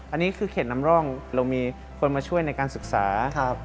อันนี้คือเขตนำร่องเรามีคนมาช่วยในการศึกษา